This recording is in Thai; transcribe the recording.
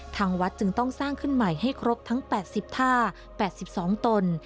ทางวัดจึงต้องสร้างขึ้นใหม่ให้ครบทั้ง๘๐ท่า๘๒ตน